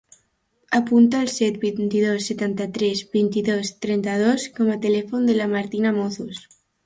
Apunta el set, vint-i-dos, setanta-tres, vint-i-dos, trenta-dos com a telèfon de la Martina Mozos.